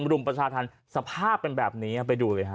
บรุ่งประชาธารสภาพเป็นแบบนี้ไปดูได้ฮะ